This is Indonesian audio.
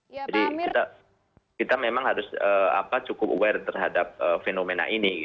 jadi kita memang harus cukup aware terhadap fenomena ini